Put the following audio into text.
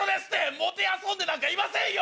もてあそんでなんかいませんよ！